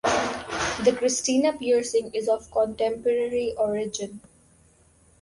The Christina piercing is of contemporary origin.